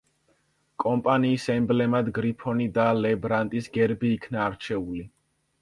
კომპანიის ემბლემად გრიფონი და ლე ბრანტის გერბი იქნა არჩეული.